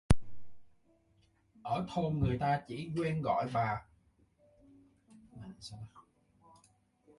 Ở thôn người ta chỉ quen gọi bấy là bà len thôi Nhưng mà